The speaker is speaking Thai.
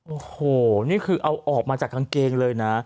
โอ้โหนี่คือเอาออกมาจากกางเกงเลยนะ